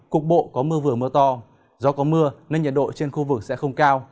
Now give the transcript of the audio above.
cục bộ có mưa vừa mưa to do có mưa nên nhiệt độ trên khu vực sẽ không cao